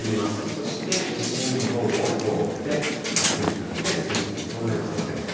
そして西日本を通って、あすにかけて進むと、そんな予想です。